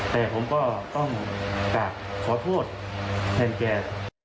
แต่ผมก็ต้องกราบขอโทษแทนแก